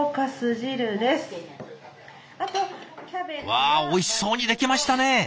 わあおいしそうに出来ましたね！